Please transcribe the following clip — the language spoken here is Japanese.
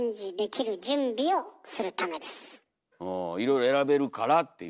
いろいろ選べるからっていう。